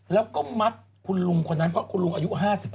แล้วก็มัดคุณลุงคนนั้นเพราะคุณลุงอายุ๕๕